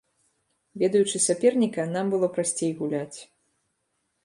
Ведаючы саперніка, нам было прасцей гуляць.